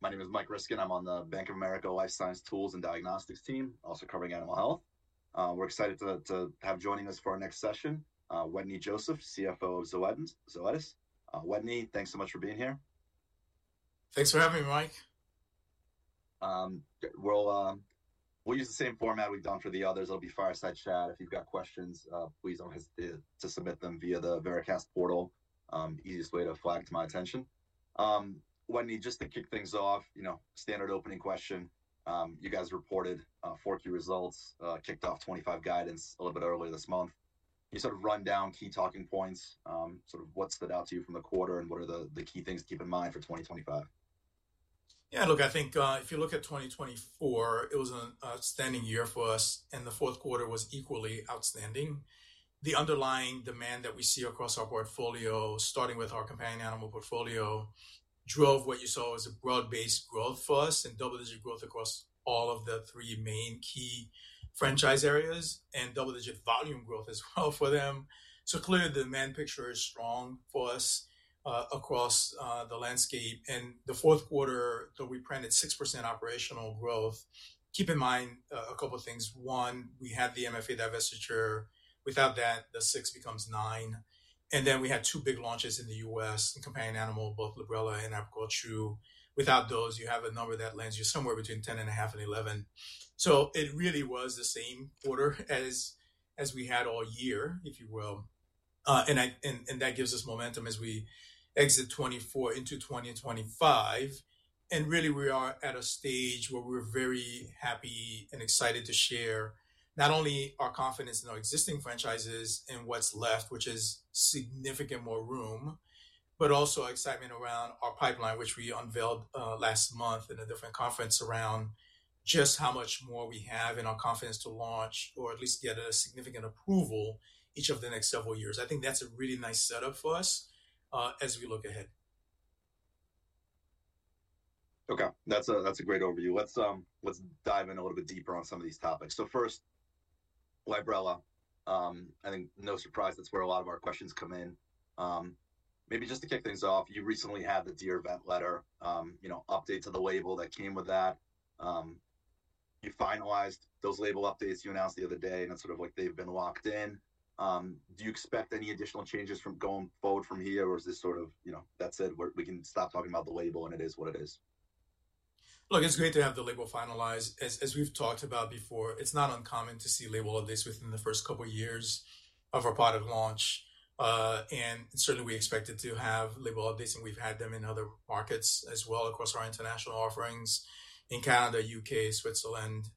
My name is Mike Ryskin. I'm on the Bank of America Life Science Tools and Diagnostics team, also covering animal health. We're excited to have joining us for our next session, Wetteny Joseph, CFO of Zoetis. Wetteny, thanks so much for being here. Thanks for having me, Mike. We'll use the same format we've done for the others. It'll be fireside chat. If you've got questions, please don't hesitate to submit them via the Veracast portal, easiest way to flag to my attention. Wetteny, just to kick things off, standard opening question. You guys reported 4Q results, kicked off 2025 guidance a little bit earlier this month. You sort of rundown key talking points, sort of what stood out to you from the quarter and what are the key things to keep in mind for 2025? Yeah, look, I think if you look at 2024, it was an outstanding year for us, and the Q4 was equally outstanding. The underlying demand that we see across our portfolio, starting with our companion animal portfolio, drove what you saw as a broad-based growth for us and double-digit growth across all of the three main key franchise areas and double-digit volume growth as well for them. So clearly, the demand picture is strong for us across the landscape. And the Q4, though, we printed 6% operational growth. Keep in mind a couple of things. One, we had the MFA divestiture. Without that, the 6% becomes 9%. And then we had two big launches in the US in companion animal, both Librela and Apoquel Chewable. Without those, you have a number that lands you somewhere between 10.5% and 11%. So it really was the same quarter as we had all year, if you will. And that gives us momentum as we exit 2024 into 2025. And really, we are at a stage where we're very happy and excited to share not only our confidence in our existing franchises and what's left, which is significantly more room, but also excitement around our pipeline, which we unveiled last month in a different conference around just how much more we have in our confidence to launch or at least get a significant approval each of the next several years. I think that's a really nice setup for us as we look ahead. Okay, that's a great overview. Let's dive in a little bit deeper on some of these topics. So first, Librela, I think no surprise, that's where a lot of our questions come in. Maybe just to kick things off, you recently had the Dear Veterinarian letter, updates of the label that came with that. You finalized those label updates you announced the other day, and it's sort of like they've been locked in. Do you expect any additional changes from going forward from here, or is this sort of, that said, we can stop talking about the label and it is what it is? Look, it's great to have the label finalized. As we've talked about before, it's not uncommon to see label updates within the first couple of years of our product launch. And certainly, we expect it to have label updates, and we've had them in other markets as well across our international offerings in Canada, U.K., Switzerland,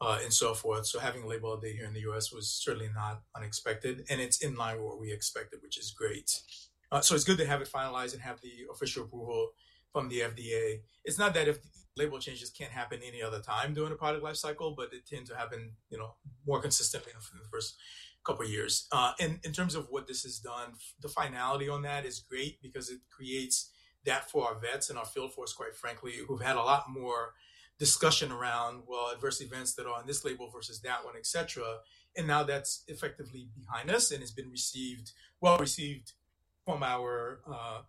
and so forth. So having a label update here in the U.S. was certainly not unexpected, and it's in line with what we expected, which is great. So it's good to have it finalized and have the official approval from the FDA. It's not that if label changes can't happen any other time during a product life cycle, but it tends to happen more consistently in the first couple of years. And in terms of what this has done, the finality on that is great because it creates that for our vets and our field force, quite frankly, who've had a lot more discussion around, well, adverse events that are on this label versus that one, et cetera. And now that's effectively behind us and has been well received from our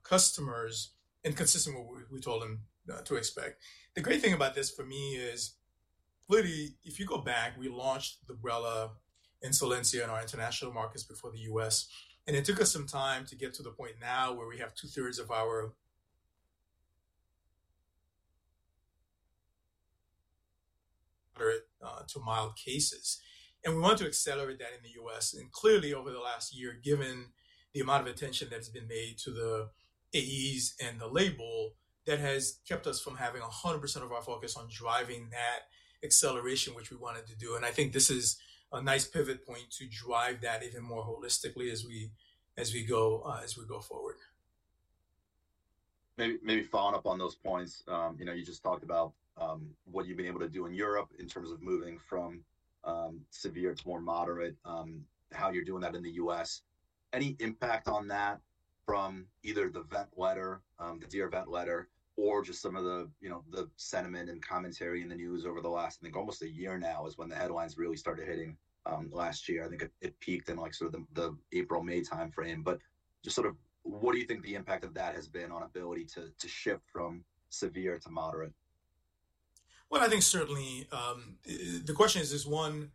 customers and consistent with what we told them to expect. The great thing about this for me is, really, if you go back, we launched Librela and Solensia in our international markets before the US, and it took us some time to get to the point now where we have two-thirds of our moderate to mild cases. And we want to accelerate that in the US. And clearly, over the last year, given the amount of attention that has been made to the AEs and the label, that has kept us from having 100% of our focus on driving that acceleration, which we wanted to do. And I think this is a nice pivot point to drive that even more holistically as we go forward. Maybe following up on those points, you just talked about what you've been able to do in Europe in terms of moving from severe to more moderate, how you're doing that in the U.S. Any impact on that from either the vet letter, the Dear Veterinarian letter, or just some of the sentiment and commentary in the news over the last, I think, almost a year now is when the headlines really started hitting last year. I think it peaked in sort of the April, May timeframe. But just sort of what do you think the impact of that has been on ability to shift from severe to moderate? I think certainly the question is, is one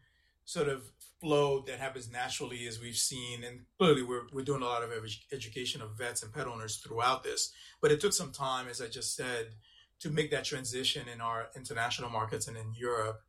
sort of flow that happens naturally as we've seen, and clearly, we're doing a lot of education of vets and pet owners throughout this, but it took some time, as I just said, to make that transition in our international markets and in Europe.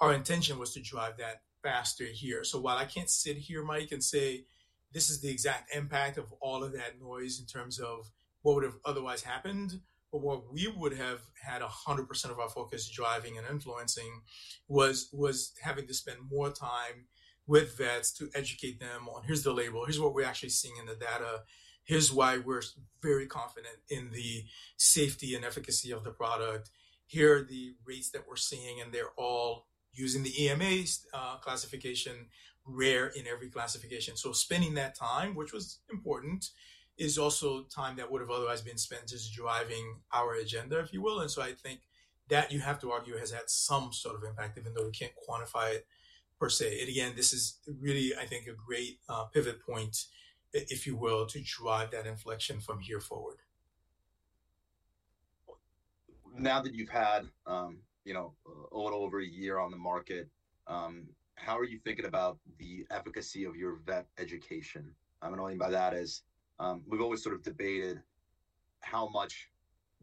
Our intention was to drive that faster here. So while I can't sit here, Mike, and say, this is the exact impact of all of that noise in terms of what would have otherwise happened, but what we would have had 100% of our focus driving and influencing was having to spend more time with vets to educate them on, here's the label, here's what we're actually seeing in the data, here's why we're very confident in the safety and efficacy of the product, here are the rates that we're seeing, and they're all using the EMA classification, rare in every classification. So spending that time, which was important, is also time that would have otherwise been spent just driving our agenda, if you will. And so I think that, you have to argue, has had some sort of impact, even though we can't quantify it per se. Again, this is really, I think, a great pivot point, if you will, to drive that inflection from here forward. Now that you've had a little over a year on the market, how are you thinking about the efficacy of your vet education? And what I mean by that is we've always sort of debated how much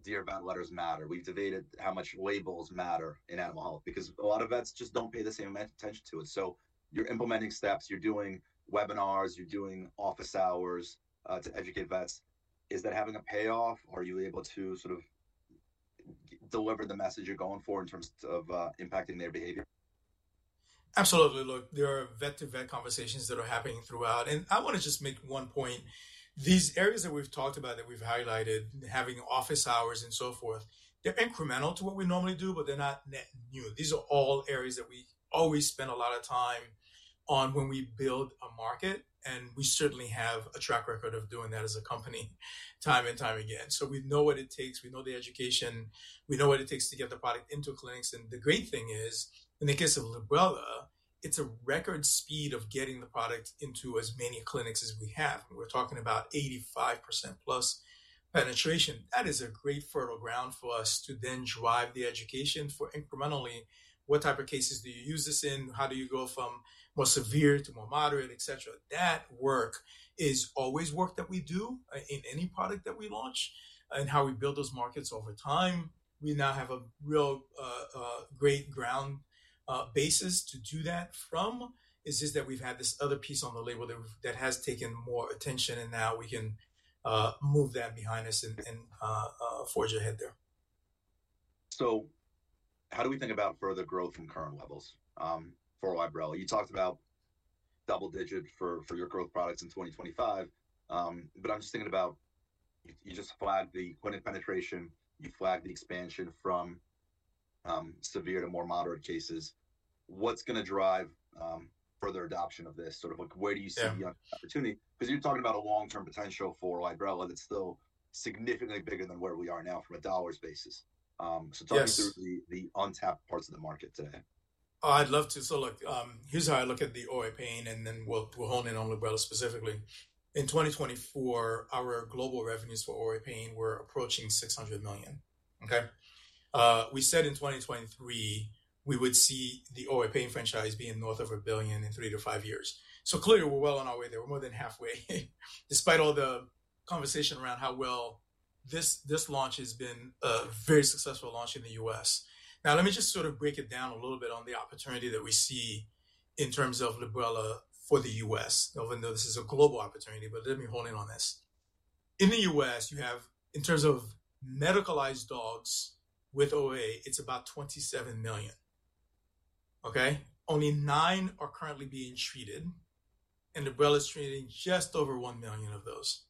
Dear vet letters matter. We've debated how much labels matter in animal health because a lot of vets just don't pay the same attention to it. So you're implementing steps, you're doing webinars, you're doing office hours to educate vets. Is that having a payoff? Are you able to sort of deliver the message you're going for in terms of impacting their behavior? Absolutely. Look, there are vet-to-vet conversations that are happening throughout. And I want to just make one point. These areas that we've talked about, that we've highlighted, having office hours and so forth, they're incremental to what we normally do, but they're not new. These are all areas that we always spend a lot of time on when we build a market. And we certainly have a track record of doing that as a company time and time again. So we know what it takes. We know the education. We know what it takes to get the product into clinics. And the great thing is, in the case of Librela, it's a record speed of getting the product into as many clinics as we have. We're talking about 85% plus penetration. That is a great fertile ground for us to then drive the education for incrementally, what type of cases do you use this in? How do you go from more severe to more moderate, et cetera? That work is always work that we do in any product that we launch. And how we build those markets over time, we now have a real great ground basis to do that from. It's just that we've had this other piece on the label that has taken more attention, and now we can move that behind us and forge ahead there. How do we think about further growth from current levels for Librela? You talked about double-digit for your growth products in 2025, but I'm just thinking about you just flagged the clinic penetration. You flagged the expansion from severe to more moderate cases. What's going to drive further adoption of this? Sort of where do you see the opportunity? Because you're talking about a long-term potential for Librela that's still significantly bigger than where we are now from a dollars basis. So talk us through the untapped parts of the market today. I'd love to. So look, here's how I look at the OA pain, and then we'll hone in on Librela specifically. In 2024, our global revenues for OA pain were approaching $600 million. Okay? We said in 2023, we would see the OA pain franchise be north of $1 billion in three to five years. So clearly, we're well on our way there. We're more than halfway. Despite all the conversation around how well this launch has been a very successful launch in the US. Now, let me just sort of break it down a little bit on the opportunity that we see in terms of Librela for the US, even though this is a global opportunity, but let me hone in on this. In the US, you have, in terms of medicalized dogs with OA, it's about 27 million. Okay? Only nine are currently being treated, and Librela is treating just over one million of those.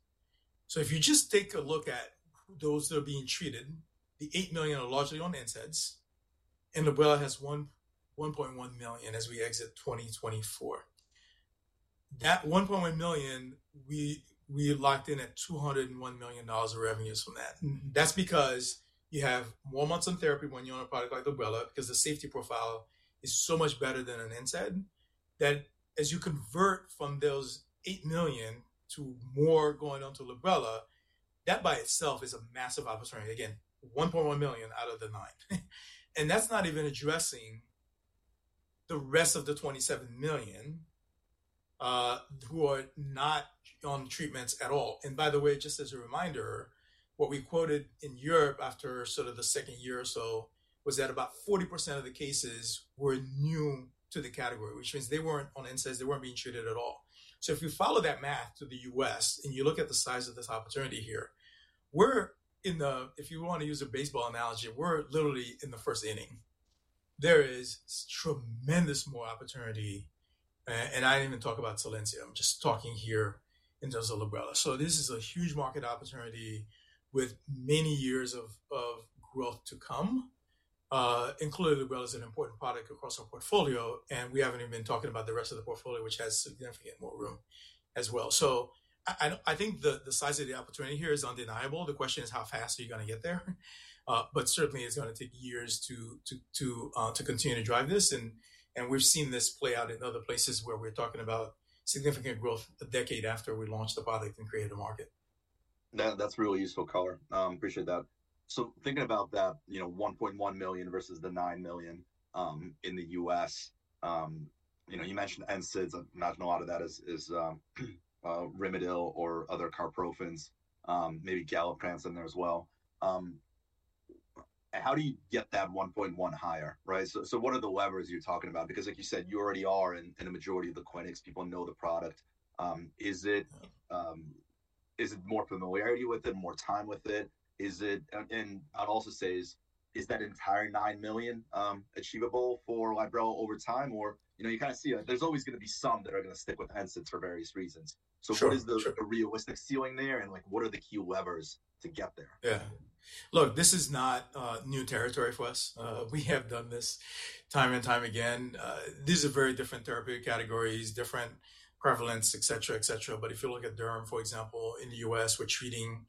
So if you just take a look at those that are being treated, the eight million are largely on NSAIDs, and Librela has 1.1 million as we exit 2024. That 1.1 million, we locked in at $201 million of revenues from that. That's because you have more months on therapy when you're on a product like Librela because the safety profile is so much better than an NSAID that as you convert from those eight million to more going on to Librela, that by itself is a massive opportunity. Again, 1.1 million out of the nine. And that's not even addressing the rest of the 27 million who are not on treatments at all. By the way, just as a reminder, what we quoted in Europe after sort of the second year or so was that about 40% of the cases were new to the category, which means they weren't on NSAIDs, they weren't being treated at all. So if you follow that math to the U.S. and you look at the size of this opportunity here, we're in the, if you want to use a baseball analogy, we're literally in the first inning. There is tremendous more opportunity. And I didn't even talk about Solensia. I'm just talking here in terms of Librela. So this is a huge market opportunity with many years of growth to come. Including Librela is an important product across our portfolio, and we haven't even been talking about the rest of the portfolio, which has significant more room as well. So I think the size of the opportunity here is undeniable. The question is how fast are you going to get there, but certainly it's going to take years to continue to drive this. And we've seen this play out in other places where we're talking about significant growth a decade after we launched the product and created a market. That's really useful, caller. Appreciate that. So thinking about that 1.1 million versus the nine million in the U.S., you mentioned NSAIDs. I'm not knowing a lot of that is Rimadyl or other carprofens, maybe Galliprant in there as well. How do you get that 1.1 higher, right? So what are the levers you're talking about? Because like you said, you already are in a majority of the clinics. People know the product. Is it more familiarity with it, more time with it? And I'd also say, is that entire nine million achievable for Librela over time? Or you kind of see there's always going to be some that are going to stick with NSAIDs for various reasons. So what is the realistic ceiling there and what are the key levers to get there? Yeah. Look, this is not new territory for us. We have done this time and time again. These are very different therapeutic categories, different prevalence, et cetera, et cetera. But if you look at derm, for example, in the U.S., we're treating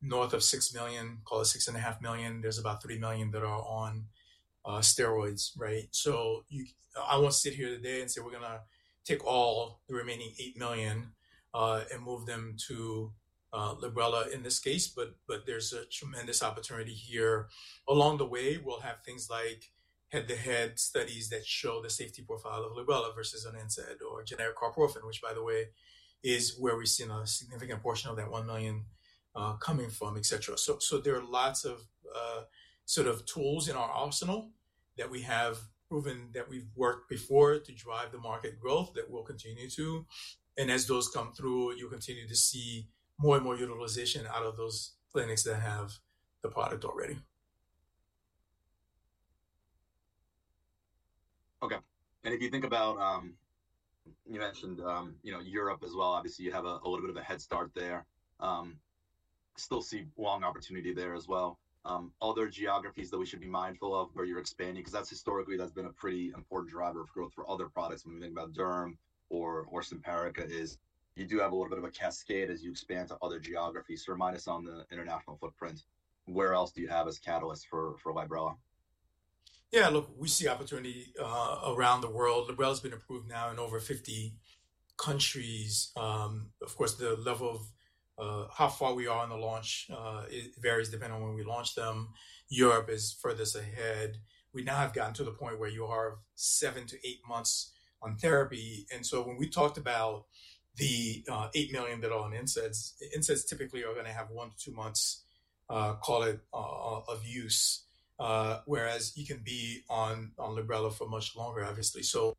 north of six million, call it 6.5 million. There's about three million that are on steroids, right? So I won't sit here today and say we're going to take all the remaining eight million and move them to Librela in this case, but there's a tremendous opportunity here. Along the way, we'll have things like head-to-head studies that show the safety profile of Librela versus an NSAID or generic carprofen, which, by the way, is where we've seen a significant portion of that one million coming from, et cetera. So there are lots of sort of tools in our arsenal that we have proven that we've worked before to drive the market growth that we'll continue to. And as those come through, you'll continue to see more and more utilization out of those clinics that have the product already. Okay. And if you think about, you mentioned Europe as well. Obviously, you have a little bit of a head start there. Still see long opportunity there as well. Other geographies that we should be mindful of where you're expanding because that's historically, that's been a pretty important driver of growth for other products. When we think about derma or Simparica, you do have a little bit of a cascade as you expand to other geographies. So remind us on the international footprint. Where else do you have as catalyst for Librela? Yeah, look, we see opportunity around the world. Librela has been approved now in over 50 countries. Of course, the level of how far we are in the launch varies depending on when we launch them. Europe is furthest ahead. We now have gotten to the point where you are 7-8 months on therapy. And so when we talked about the 8 million that are on NSAIDs, NSAIDs typically are going to have one to two months, call it, of use, whereas you can be on Librela for much longer, obviously. So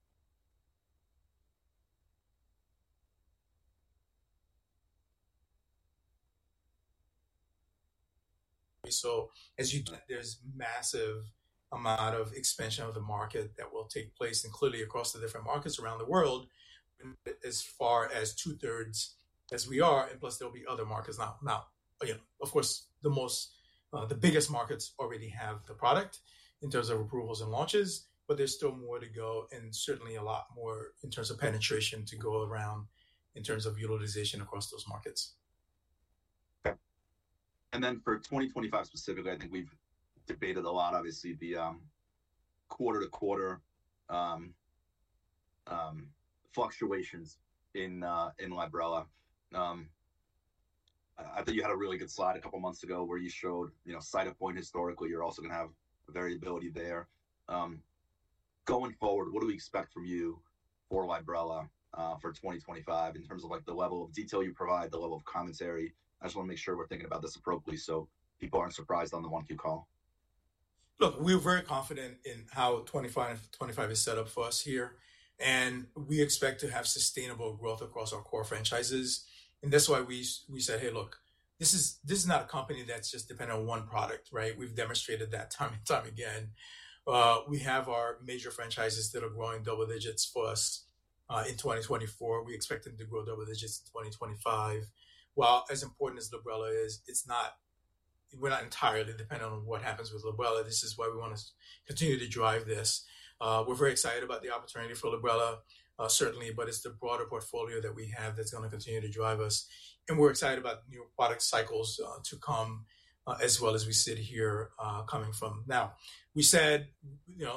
as you know, there's a massive amount of expansion of the market that will take place, and clearly across the different markets around the world, as far as two-thirds as we are. And plus, there'll be other markets. Now, of course, the biggest markets already have the product in terms of approvals and launches, but there's still more to go and certainly a lot more in terms of penetration to go around in terms of utilization across those markets. Okay. And then for 2025 specifically, I think we've debated a lot, obviously, the quarter-to-quarter fluctuations in Librela. I think you had a really good slide a couple of months ago where you showed Cytopoint historically. You're also going to have variability there. Going forward, what do we expect from you for Librela for 2025 in terms of the level of detail you provide, the level of commentary? I just want to make sure we're thinking about this appropriately so people aren't surprised on the Q1 view call. Look, we're very confident in how 2025 is set up for us here. And we expect to have sustainable growth across our core franchises. And that's why we said, hey, look, this is not a company that's just dependent on one product, right? We've demonstrated that time and time again. We have our major franchises that are growing double digits for us in 2024. We expect them to grow double digits in 2025. While as important as Librela is, we're not entirely dependent on what happens with Librela. This is why we want to continue to drive this. We're very excited about the opportunity for Librela, certainly, but it's the broader portfolio that we have that's going to continue to drive us. And we're excited about new product cycles to come as well as we sit here coming from now. We said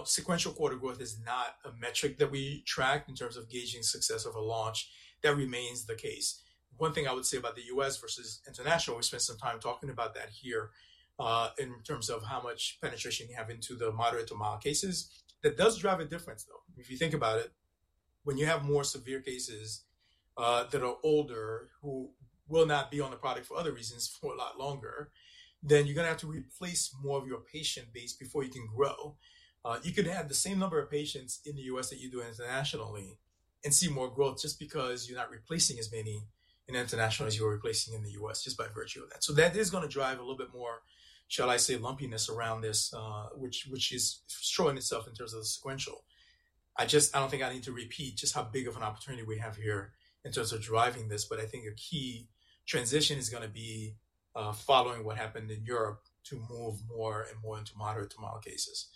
sequential quarter growth is not a metric that we track in terms of gauging success of a launch. That remains the case. One thing I would say about the U.S. versus international, we spent some time talking about that here in terms of how much penetration you have into the moderate to mild cases. That does drive a difference, though. If you think about it, when you have more severe cases that are older who will not be on the product for other reasons for a lot longer, then you're going to have to replace more of your patient base before you can grow. You could have the same number of patients in the U.S. that you do internationally and see more growth just because you're not replacing as many in international as you are replacing in the U.S. just by virtue of that. So that is going to drive a little bit more, shall I say, lumpiness around this, which is showing itself in terms of the sequential. I don't think I need to repeat just how big of an opportunity we have here in terms of driving this, but I think a key transition is going to be following what happened in Europe to move more and more into moderate to mild cases.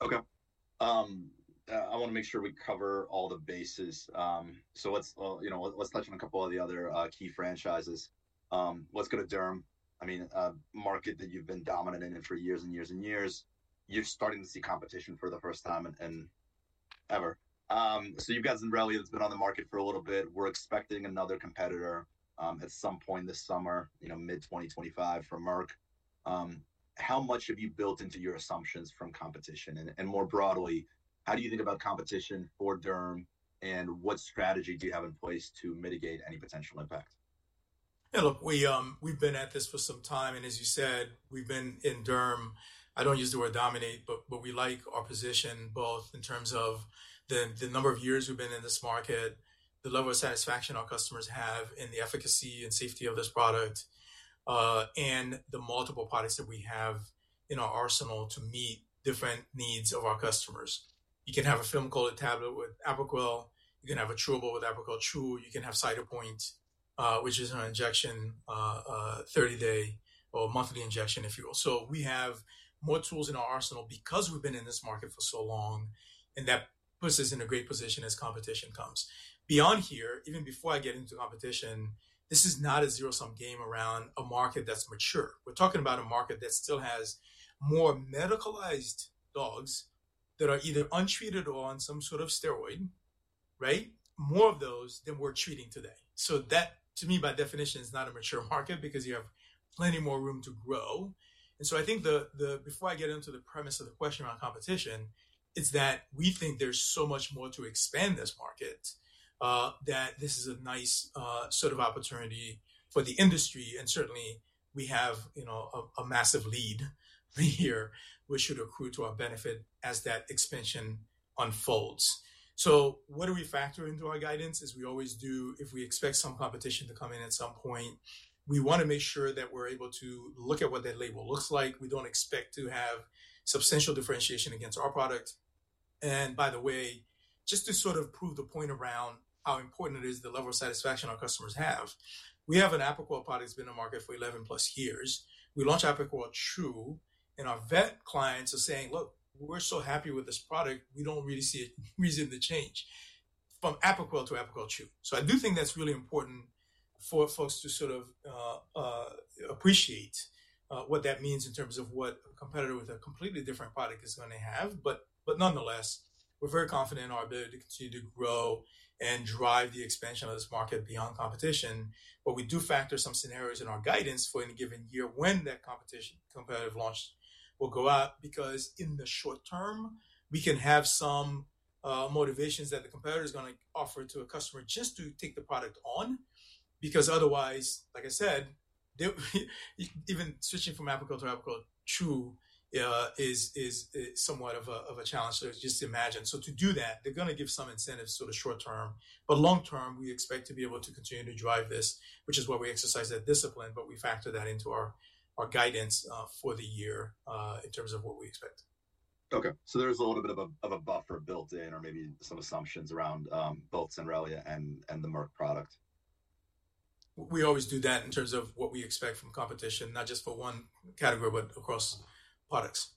Okay. I want to make sure we cover all the bases. So let's touch on a couple of the other key franchises. Let's go to derm. I mean, a market that you've been dominant in for years and years and years. You're starting to see competition for the first time ever. So you've got Zenrelia that's been on the market for a little bit. We're expecting another competitor at some point this summer, mid-2025 for Merck. How much have you built into your assumptions from competition? And more broadly, how do you think about competition for derm and what strategy do you have in place to mitigate any potential impact? Yeah, look, we've been at this for some time, and as you said, we've been in derm. I don't use the word dominate, but we like our position both in terms of the number of years we've been in this market, the level of satisfaction our customers have, and the efficacy and safety of this product, and the multiple products that we have in our arsenal to meet different needs of our customers. You can have a pharmacologic tablet with Apoquel. You can have a chewable with Apoquel Chewable. You can have Cytopoint, which is an injection, 30-day or monthly injection, if you will, so we have more tools in our arsenal because we've been in this market for so long, and that puts us in a great position as competition comes. Beyond here, even before I get into competition, this is not a zero-sum game around a market that's mature. We're talking about a market that still has more medicalized dogs that are either untreated or on some sort of steroid, right? More of those than we're treating today. So that, to me, by definition, is not a mature market because you have plenty more room to grow. And so I think before I get into the premise of the question around competition, it's that we think there's so much more to expand this market that this is a nice sort of opportunity for the industry. And certainly, we have a massive lead here, which should accrue to our benefit as that expansion unfolds. So what do we factor into our guidance? As we always do, if we expect some competition to come in at some point, we want to make sure that we're able to look at what that label looks like. We don't expect to have substantial differentiation against our product. And by the way, just to sort of prove the point around how important it is the level of satisfaction our customers have, we have an Apoquel product that's been in the market for 11 plus years. We launched Apoquel Chew, and our vet clients are saying, "Look, we're so happy with this product. We don't really see a reason to change from Apoquel to Apoquel Chew." So I do think that's really important for folks to sort of appreciate what that means in terms of what a competitor with a completely different product is going to have. Nonetheless, we're very confident in our ability to continue to grow and drive the expansion of this market beyond competition. We do factor some scenarios in our guidance for any given year when that competitive launch will go out because in the short term, we can have some motivations that the competitor is going to offer to a customer just to take the product on. Because otherwise, like I said, even switching from Apoquel to Apoquel Chewable is somewhat of a challenge. Just imagine. To do that, they're going to give some incentives sort of short term. Long term, we expect to be able to continue to drive this, which is why we exercise that discipline, but we factor that into our guidance for the year in terms of what we expect. Okay. So there's a little bit of a buffer built in or maybe some assumptions around both Zenrelia and the Merck product. We always do that in terms of what we expect from competition, not just for one category, but across products.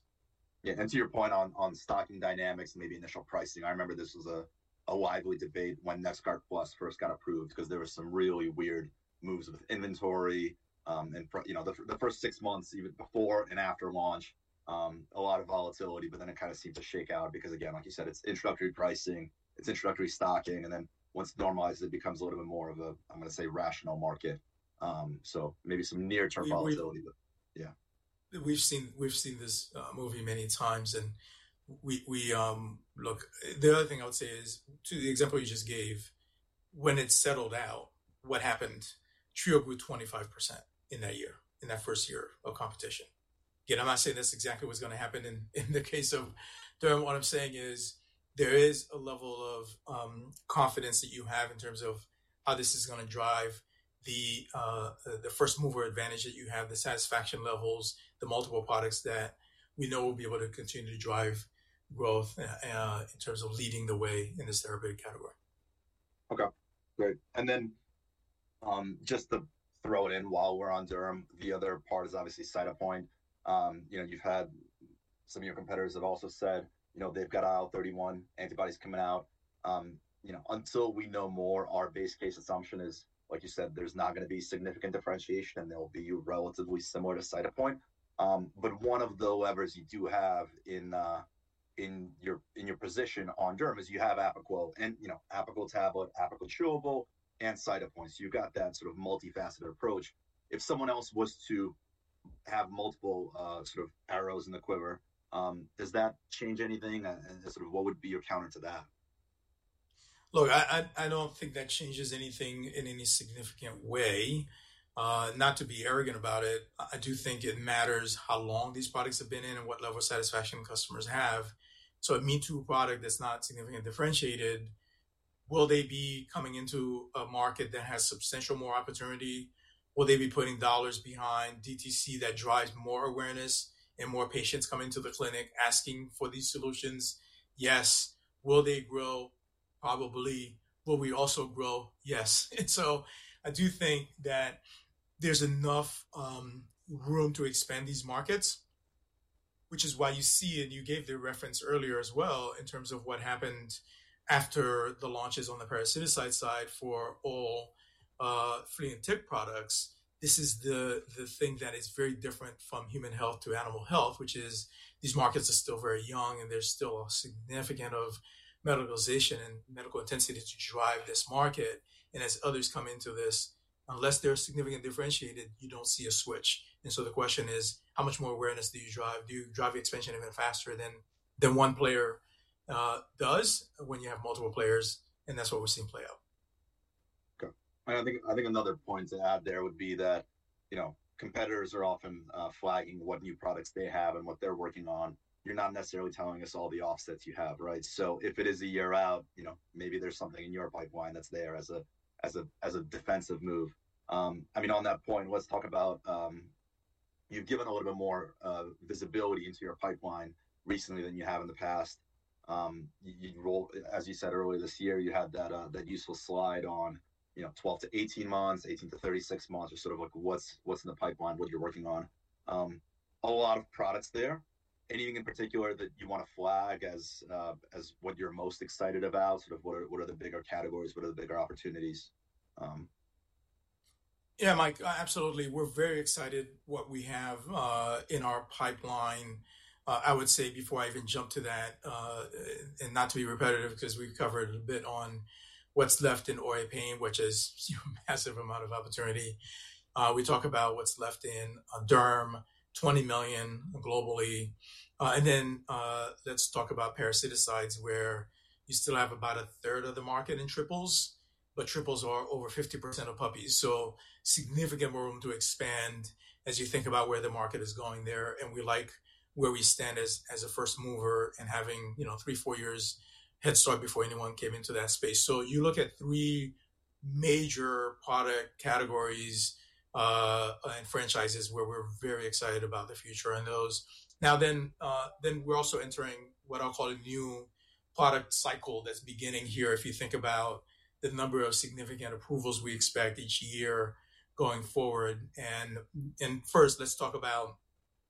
Yeah. And to your point on stocking dynamics, maybe initial pricing, I remember this was a lively debate when NexGard Plus first got approved because there were some really weird moves with inventory. And the first six months, even before and after launch, a lot of volatility, but then it kind of seemed to shake out because, again, like you said, it's introductory pricing, it's introductory stocking, and then once it normalizes, it becomes a little bit more of a, I'm going to say, rational market. So maybe some near-term volatility. We've seen this movie many times, and look, the other thing I would say is to the example you just gave, when it settled out, what happened? Trio grew 25% in that year, in that first year of competition. Again, I'm not saying that's exactly what's going to happen in the case of Durham. What I'm saying is there is a level of confidence that you have in terms of how this is going to drive the first mover advantage that you have, the satisfaction levels, the multiple products that we know will be able to continue to drive growth in terms of leading the way in this therapeutic category. Okay. Great. And then just to throw it in while we're on derm, the other part is obviously Cytopoint. You've had some of your competitors have also said they've got IL-31 antibodies coming out. Until we know more, our base case assumption is, like you said, there's not going to be significant differentiation, and they'll be relatively similar to Cytopoint. But one of the levers you do have in your position on derm is you have Apoquel, Apoquel Tablet, Apoquel Chewable, and Cytopoint. So you've got that sort of multifaceted approach. If someone else was to have multiple sort of arrows in the quiver, does that change anything? And sort of what would be your counter to that? Look, I don't think that changes anything in any significant way. Not to be arrogant about it, I do think it matters how long these products have been in and what level of satisfaction customers have. So a me-too product that's not significantly differentiated, will they be coming into a market that has substantially more opportunity? Will they be putting dollars behind DTC that drives more awareness and more patients coming to the clinic asking for these solutions? Yes. Will they grow? Probably. Will we also grow? Yes. And so I do think that there's enough room to expand these markets, which is why you see, and you gave the reference earlier as well in terms of what happened after the launches on the parasiticide side for all flea and tick products. This is the thing that is very different from human health to animal health, which is these markets are still very young, and there's still a significant amount of medicalization and medical intensity to drive this market, and as others come into this, unless they're significantly differentiated, you don't see a switch, and so the question is, how much more awareness do you drive? Do you drive the expansion even faster than one player does when you have multiple players, and that's what we've seen play out. Okay. I think another point to add there would be that competitors are often flagging what new products they have and what they're working on. You're not necessarily telling us all the offsets you have, right? So if it is a year out, maybe there's something in your pipeline that's there as a defensive move. I mean, on that point, let's talk about you've given a little bit more visibility into your pipeline recently than you have in the past. As you said earlier this year, you had that useful slide on 12-18 months, 18-36 months, or sort of what's in the pipeline, what you're working on. A lot of products there. Anything in particular that you want to flag as what you're most excited about? Sort of what are the bigger categories? What are the bigger opportunities? Yeah, Mike, absolutely. We're very excited what we have in our pipeline. I would say before I even jump to that, and not to be repetitive because we've covered a bit on what's left in OA pain, which is a massive amount of opportunity. We talk about what's left in derm, 20 million globally. And then let's talk about parasiticides, where you still have about a third of the market in triples, but triples are over 50% of puppies. So significant room to expand as you think about where the market is going there. And we like where we stand as a first mover and having three, four years' head start before anyone came into that space. So you look at three major product categories and franchises where we're very excited about the future and those. Now, then we're also entering what I'll call a new product cycle that's beginning here. If you think about the number of significant approvals we expect each year going forward, and first, let's talk about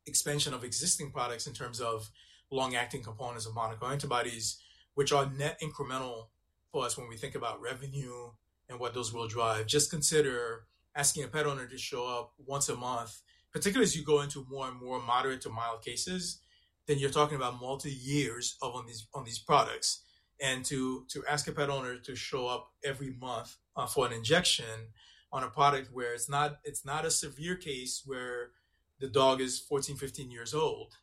expansion of existing products in terms of long-acting components of monoclonal antibodies, which are net incremental for us when we think about revenue and what those will drive. Just consider asking a pet owner to show up once a month, particularly as you go into more and more moderate to mild cases, then you're talking about multi-years on these products, and to ask a pet owner to show up every month for an injection on a product where it's not a severe case where the dog is 14, 15 years old.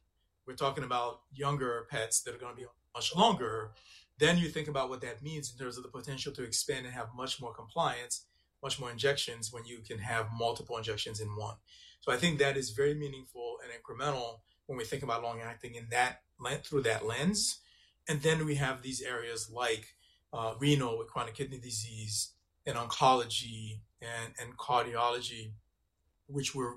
We're talking about younger pets that are going to be much longer. Then you think about what that means in terms of the potential to expand and have much more compliance, much more injections when you can have multiple injections in one. So I think that is very meaningful and incremental when we think about long-acting through that lens. And then we have these areas like renal with chronic kidney disease and oncology and cardiology, which we're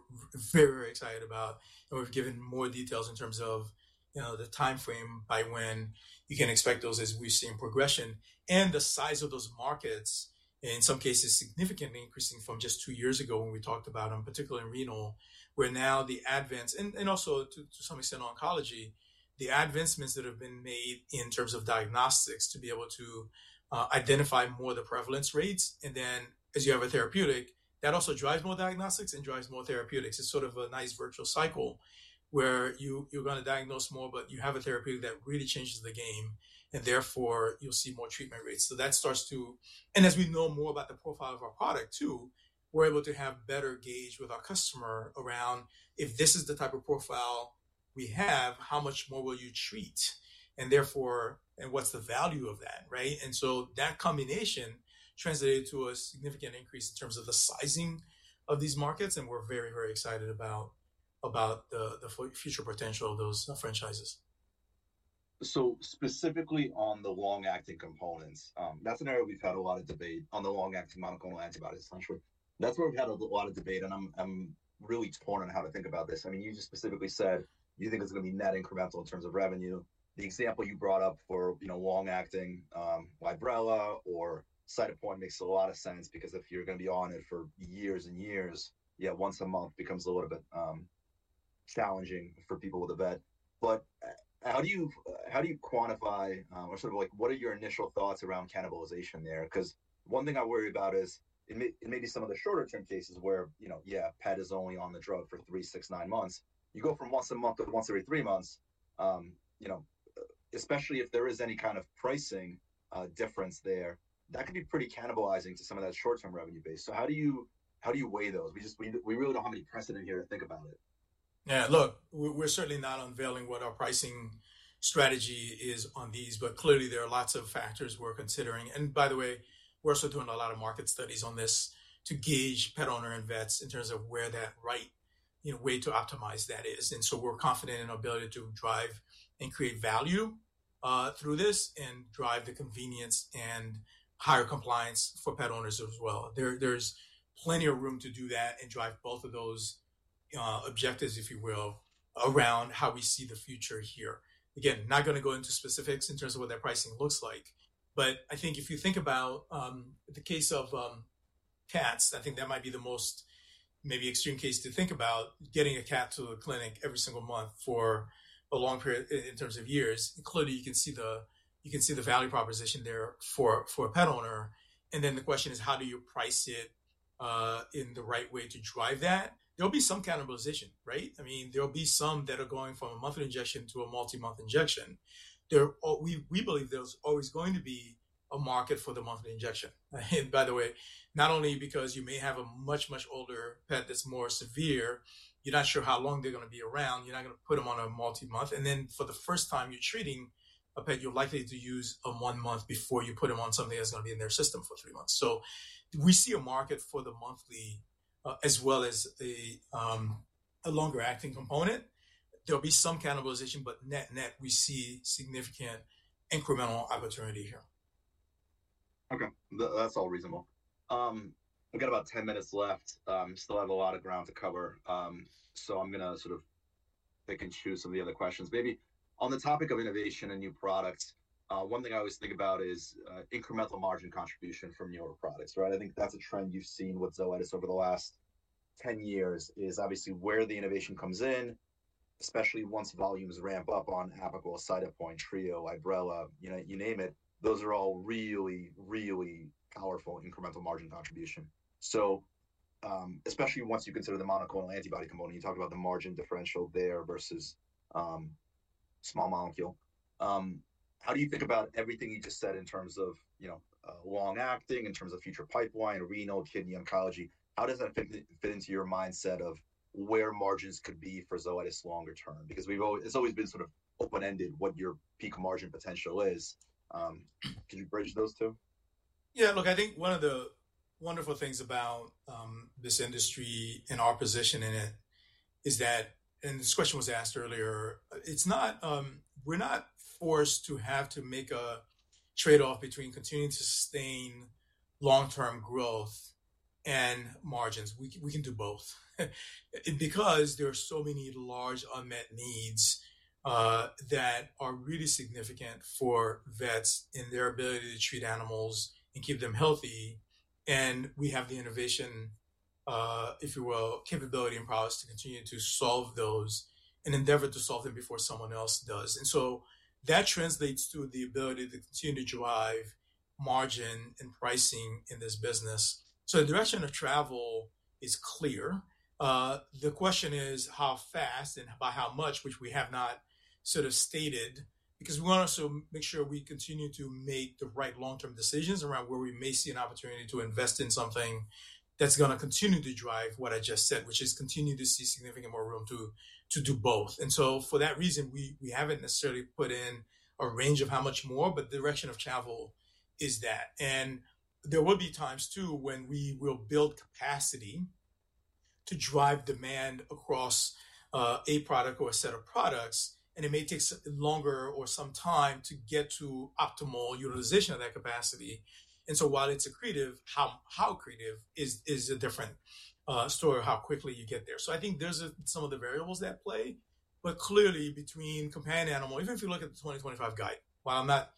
very, very excited about. And we've given more details in terms of the timeframe by when you can expect those as we've seen progression. And the size of those markets, in some cases, significantly increasing from just two years ago when we talked about them, particularly in renal, where now the advance, and also to some extent oncology, the advancements that have been made in terms of diagnostics to be able to identify more of the prevalence rates. And then as you have a therapeutic, that also drives more diagnostics and drives more therapeutics. It's sort of a nice virtual cycle where you're going to diagnose more, but you have a therapeutic that really changes the game, and therefore you'll see more treatment rates. So that starts to, and as we know more about the profile of our product too, we're able to have better gauge with our customer around if this is the type of profile we have, how much more will you treat? And therefore, and what's the value of that, right? And so that combination translated to a significant increase in terms of the sizing of these markets, and we're very, very excited about the future potential of those franchises. So specifically on the long-acting components, that's an area we've had a lot of debate on the long-acting monoclonal antibody essentially. That's where we've had a lot of debate, and I'm really torn on how to think about this. I mean, you just specifically said you think it's going to be net incremental in terms of revenue. The example you brought up for long-acting Librela or Cytopoint makes a lot of sense because if you're going to be on it for years and years, yeah, once a month becomes a little bit challenging for people with a vet. But how do you quantify or sort of what are your initial thoughts around cannibalization there? Because one thing I worry about is it may be some of the shorter-term cases where, yeah, pet is only on the drug for three, six, nine months. You go from once a month to once every three months, especially if there is any kind of pricing difference there, that could be pretty cannibalizing to some of that short-term revenue base. So how do you weigh those? We really don't have any precedent here to think about it. Yeah. Look, we're certainly not unveiling what our pricing strategy is on these, but clearly there are lots of factors we're considering. By the way, we're also doing a lot of market studies on this to gauge pet owner and vets in terms of where that right way to optimize that is. So we're confident in our ability to drive and create value through this and drive the convenience and higher compliance for pet owners as well. There's plenty of room to do that and drive both of those objectives, if you will, around how we see the future here. Again, not going to go into specifics in terms of what that pricing looks like, but I think if you think about the case of cats, I think that might be the most maybe extreme case to think about getting a cat to a clinic every single month for a long period in terms of years. Clearly, you can see the value proposition there for a pet owner. And then the question is, how do you price it in the right way to drive that? There'll be some cannibalization, right? I mean, there'll be some that are going from a monthly injection to a multi-month injection. We believe there's always going to be a market for the monthly injection. And by the way, not only because you may have a much, much older pet that's more severe, you're not sure how long they're going to be around. You're not going to put them on a multi-month. And then for the first time you're treating a pet, you're likely to use a one-month before you put them on something that's going to be in their system for three months. So we see a market for the monthly as well as a longer-acting component. There'll be some cannibalization, but net net, we see significant incremental opportunity here. Okay. That's all reasonable. We've got about 10 minutes left. I still have a lot of ground to cover. So I'm going to sort of pick and choose some of the other questions. Maybe on the topic of innovation and new products, one thing I always think about is incremental margin contribution from newer products, right? I think that's a trend you've seen with Zoetis over the last 10 years is obviously where the innovation comes in, especially once volumes ramp up on Apoquel, Cytopoint, Trio, Librela, you name it, those are all really, really powerful incremental margin contribution. So especially once you consider the monoclonal antibody component, you talk about the margin differential there versus small molecule. How do you think about everything you just said in terms of long-acting, in terms of future pipeline, renal, kidney, oncology? How does that fit into your mindset of where margins could be for Zoetis longer term? Because it's always been sort of open-ended what your peak margin potential is. Could you bridge those two? Yeah. Look, I think one of the wonderful things about this industry and our position in it is that, and this question was asked earlier, we're not forced to have to make a trade-off between continuing to sustain long-term growth and margins. We can do both. Because there are so many large unmet needs that are really significant for vets in their ability to treat animals and keep them healthy. And we have the innovation, if you will, capability and prowess to continue to solve those and endeavor to solve them before someone else does. And so that translates to the ability to continue to drive margin and pricing in this business. So the direction of travel is clear. The question is how fast and by how much, which we have not sort of stated, because we want to make sure we continue to make the right long-term decisions around where we may see an opportunity to invest in something that's going to continue to drive what I just said, which is continue to see significantly more room to do both. And so for that reason, we haven't necessarily put in a range of how much more, but the direction of travel is that. And there will be times too when we will build capacity to drive demand across a product or a set of products, and it may take longer or some time to get to optimal utilization of that capacity. And so while it's accretive, how accretive is a different story of how quickly you get there. So I think there's some of the variables that play, but clearly between companion animal, even if you look at the 2025 guide, while I'm not,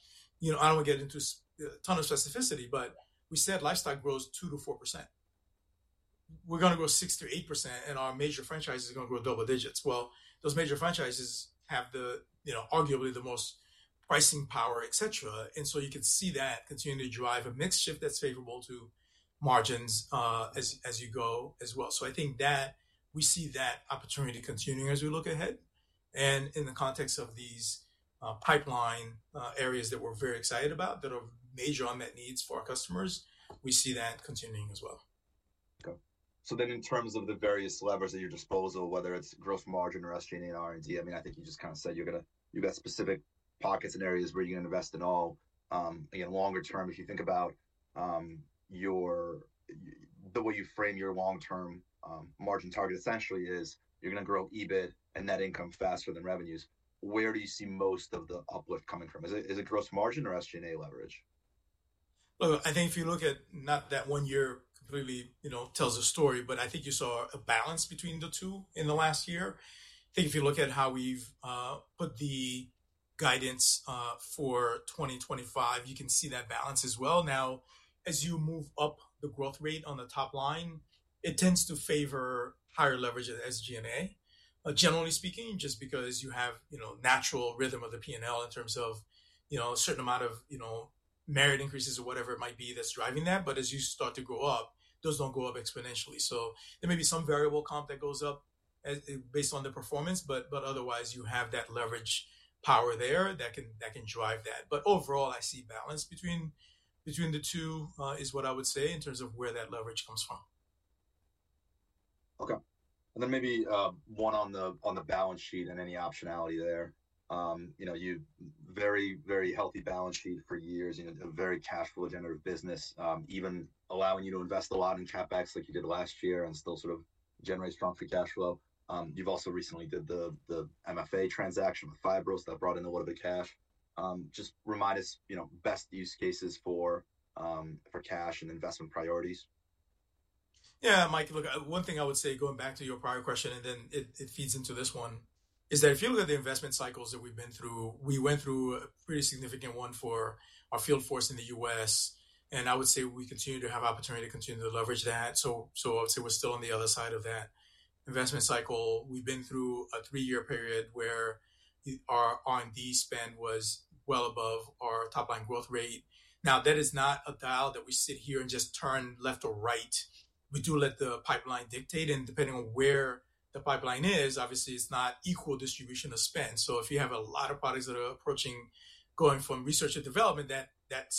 I don't want to get into a ton of specificity, but we said livestock grows 2%-4%. We're going to grow 6%-8%, and our major franchise is going to grow double digits. Well, those major franchises have arguably the most pricing power, etc. And so you can see that continuing to drive a mixed shift that's favorable to margins as you go as well. So I think that we see that opportunity continuing as we look ahead. And in the context of these pipeline areas that we're very excited about that are major unmet needs for our customers, we see that continuing as well. So then, in terms of the various levers at your disposal, whether it's gross margin or SG&A and R&D, I mean, I think you just kind of said you've got specific pockets and areas where you're going to invest in all. Again, longer term, if you think about the way you frame your long-term margin target, essentially is you're going to grow EBIT and net income faster than revenues. Where do you see most of the uplift coming from? Is it gross margin or SG&A leverage? I think if you look at not that one year completely tells a story, but I think you saw a balance between the two in the last year. I think if you look at how we've put the guidance for 2025, you can see that balance as well. Now, as you move up the growth rate on the top line, it tends to favor higher leverage as SG&A, generally speaking, just because you have natural rhythm of the P&L in terms of a certain amount of merit increases or whatever it might be that's driving that. But as you start to grow up, those don't go up exponentially. So there may be some variable comp that goes up based on the performance, but otherwise, you have that leverage power there that can drive that. But overall, I see balance between the two is what I would say in terms of where that leverage comes from. Okay. And then maybe one on the balance sheet and any optionality there. You have a very, very healthy balance sheet for years, a very cash flow generative business, even allowing you to invest a lot in CapEx like you did last year and still sort of generate strong free cash flow. You've also recently did the MFA transaction with Phibro that brought in a lot of the cash. Just remind us best use cases for cash and investment priorities. Yeah, Mike, look, one thing I would say going back to your prior question, and then it feeds into this one, is that if you look at the investment cycles that we've been through, we went through a pretty significant one for our field force in the U.S. And I would say we continue to have opportunity to continue to leverage that. So I would say we're still on the other side of that investment cycle. We've been through a three-year period where our R&D spend was well above our top-line growth rate. Now, that is not a dial that we sit here and just turn left or right. We do let the pipeline dictate. And depending on where the pipeline is, obviously, it's not equal distribution of spend. So if you have a lot of products that are approaching going from research to development, that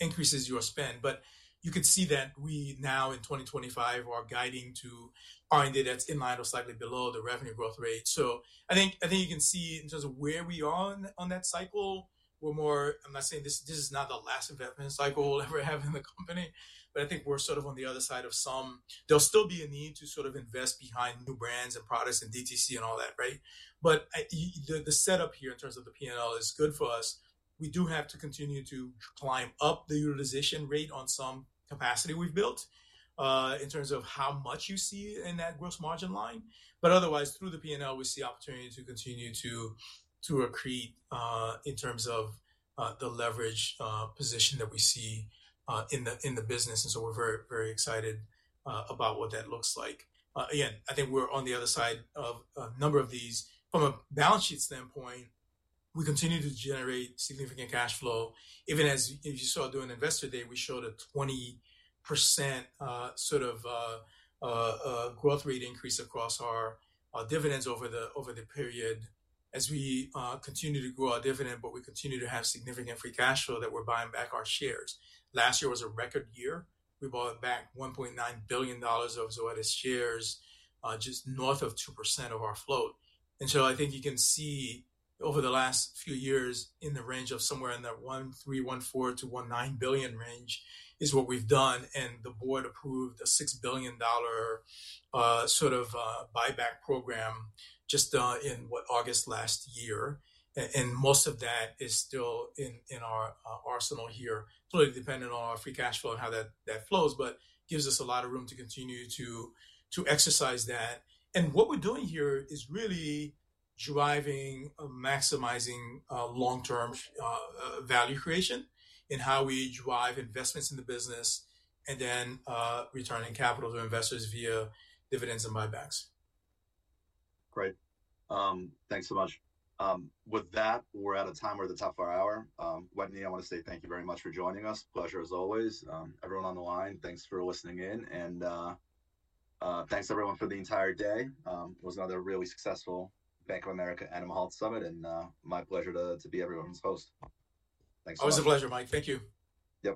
increases your spend. But you can see that we now in 2025 are guiding to R&D that's in line or slightly below the revenue growth rate. So I think you can see in terms of where we are on that cycle, we're more, I'm not saying this is not the last investment cycle we'll ever have in the company, but I think we're sort of on the other side of some. There'll still be a need to sort of invest behind new brands and products and DTC and all that, right? But the setup here in terms of the P&L is good for us. We do have to continue to climb up the utilization rate on some capacity we've built in terms of how much you see in that gross margin line. But otherwise, through the P&L, we see opportunity to continue to accrete in terms of the leverage position that we see in the business. And so we're very, very excited about what that looks like. Again, I think we're on the other side of a number of these. From a balance sheet standpoint, we continue to generate significant cash flow. Even as you saw during Investor Day, we showed a 20% sort of growth rate increase across our dividends over the period as we continue to grow our dividend, but we continue to have significant free cash flow that we're buying back our shares. Last year was a record year. We bought back $1.9 billion of Zoetis shares, just north of 2% of our float. And so, I think you can see over the last few years in the range of somewhere in the $1.3, $1.4 to $1.9 billion range is what we've done. And the board approved a $6 billion sort of buyback program just in August last year. And most of that is still in our arsenal here, totally dependent on our free cash flow and how that flows, but gives us a lot of room to continue to exercise that. And what we're doing here is really driving a maximizing long-term value creation in how we drive investments in the business and then returning capital to investors via dividends and buybacks. Great. Thanks so much. With that, we're out of time or the top of our hour. Wetteny, I want to say thank you very much for joining us. Pleasure as always. Everyone on the line, thanks for listening in. And thanks everyone for the entire day. It was another really successful Bank of America Animal Health Summit, and my pleasure to be everyone's host.